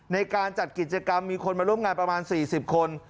ในการจัดกิจกรรมมีคนมาร่วมงานประมาณ๔๐คน